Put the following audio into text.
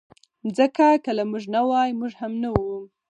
مځکه که له موږ نه وای، موږ هم نه وو.